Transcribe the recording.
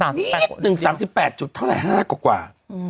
อี๊บนึง๓๘จุดเท่าไหร่๕กว่า